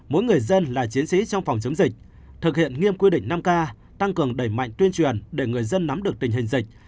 mỗi người dân là chiến sĩ trong phòng chống dịch thực hiện nghiêm quy định năm k tăng cường đẩy mạnh tuyên truyền để người dân nắm được tình hình dịch